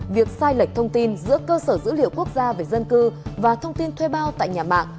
việc sai lệch thông tin giữa cơ sở dữ liệu quốc gia về dân cư và thông tin thuê bao tại nhà mạng